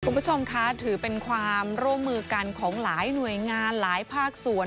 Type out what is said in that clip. คุณผู้ชมคะถือเป็นความร่วมมือกันของหลายหน่วยงานหลายภาคส่วน